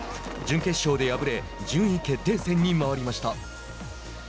準決勝で敗れ順位決定戦に回りました。